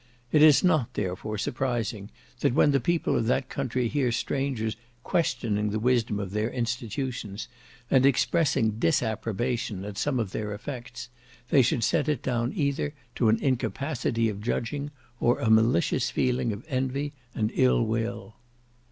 It is not, therefore, surprising, that when the people of that country hear strangers questioning the wisdom of their institutions, and expressing disapprobation at some of their effects, they should set it down either to an incapacity of judging, or a malicious feeling of envy and ill will.